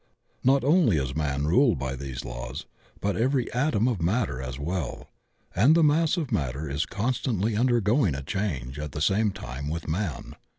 Not only is man ruled by these laws, but every atom of matter as well, and the mass of matter is constantly undergoing a change at the same time with man.